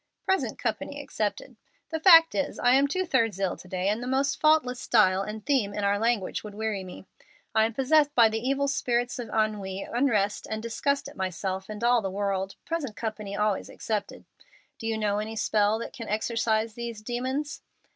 "Present company excepted. The fact is, I am two thirds ill to day, and the most faultless style and theme in our language would weary me. I am possessed by the evil spirits of ennui, unrest, and disgust at myself and all the world, present company always excepted. Do you know of any spell that can exorcise these demons?"